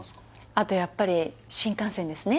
あとやっぱり新幹線ですね